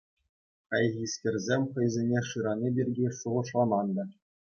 Хайхискерсем хӑйсене шырани пирки шухӑшламан та.